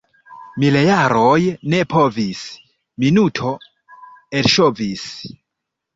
Miljaroj ne povis, — minuto elŝovis.